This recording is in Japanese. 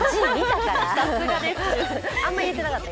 さすがです。